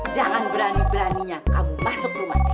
jangan berani beraninya kamu masuk rumah saya